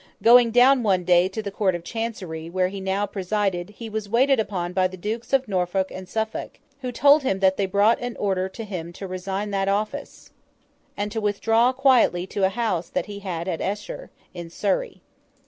Going down one day to the Court of Chancery, where he now presided, he was waited upon by the Dukes of Norfolk and Suffolk, who told him that they brought an order to him to resign that office, and to withdraw quietly to a house he had at Esher, in Surrey.